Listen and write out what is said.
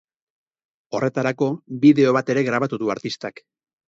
Horretarako, bideo bat ere grabatu du artistak.